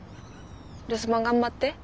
留守番頑張って。